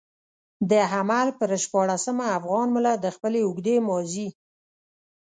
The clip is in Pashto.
د حمل پر شپاړلسمه افغان ملت د خپلې اوږدې ماضي.